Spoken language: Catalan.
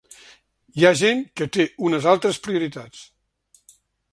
Hi ha gent que té unes altres prioritats.